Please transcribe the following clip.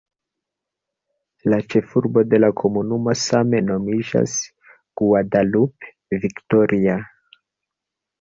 La ĉefurbo de la komunumo same nomiĝas "Guadalupe Victoria".